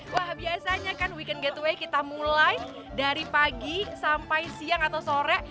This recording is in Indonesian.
wah biasanya kan weekend getaway kita mulai dari pagi sampai siang atau sore